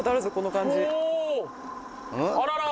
あらら？